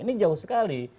ini jauh sekali